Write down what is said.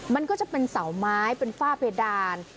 มันก็จะเป็นเสาไม้เป็นฝ้าเพดาน